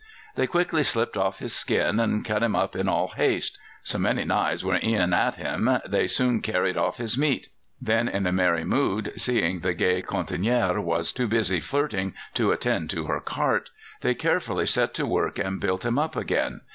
They quickly slipped off his skin and cut him up in all haste. So many knives were "e'en at him," they soon carried off his "meat." Then, in a merry mood, seeing the gay cantinière was too busy flirting to attend to her cart, they carefully set to work and built him up again.